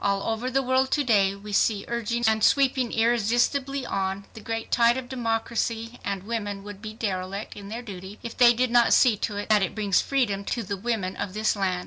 All over the world to day we see surging and sweeping irresistibly on, the great tide of democracy, and women would be derelict in their duty if they did not see to it that it brings freedom to the women of this land